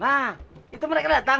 nah itu mereka datang